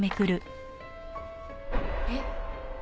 えっ？